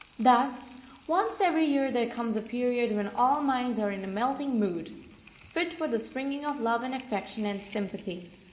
Thus, once every year there comes a period when all minds are in a melting mood, fit for the springing of love and affection and sympathy.